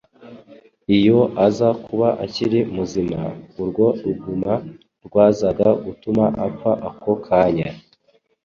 Iyo aza kuba akiri muzima, urwo ruguma rwazaga gutuma apfa ako kanya.